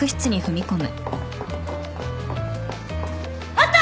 あった！